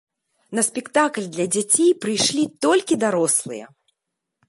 На спектакль для дзяцей прыйшлі толькі дарослыя!